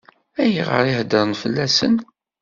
Ayɣer i heddṛen fell-asen?